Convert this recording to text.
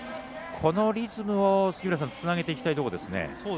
このリズムをつなげていきたいところですね。